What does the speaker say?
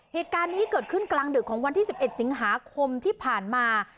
เหตุการณ์นี้เกิดขึ้นกลางดึกของวันที่๑๑สิงหาคมที่ผ่านมา